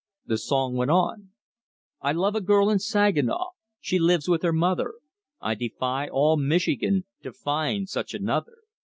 The song went on. "I love a girl in Saginaw, She lives with her mother. I defy all Michigan To find such another.